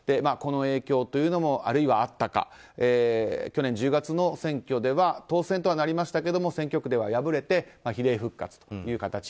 この影響というのもあるいは、あったか去年１０月の選挙では当選とはなりましたけれども選挙区では敗れて比例復活という形。